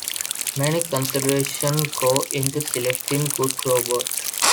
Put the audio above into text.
Many considerations go into selecting a good rowboat.